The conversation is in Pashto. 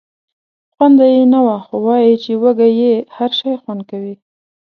خونده یې نه وه خو وایي چې وږی یې هر شی خوند کوي.